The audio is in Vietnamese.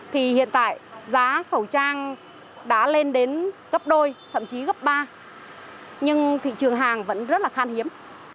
thì hiện tại giá khẩu trang đã lên đến gấp đôi thậm chí gấp ba nhưng thị trường hàng vẫn rất là khan hiếm